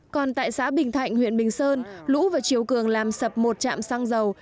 còn tại xã bình thạnh huyện bình sơn lũ và chiều cường làm sập một trạm xăng dầu